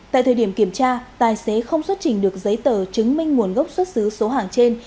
tại thời điểm kiểm tra tài xế không xuất trình được giấy tờ chứng minh nguồn gốc xuất xứ số hàng trên